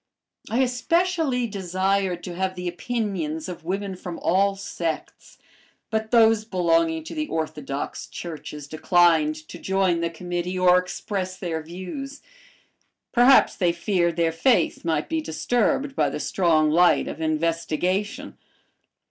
I especially desired to have the opinions of women from all sects, but those belonging to the orthodox churches declined to join the committee or express their views. Perhaps they feared their faith might be disturbed by the strong light of investigation.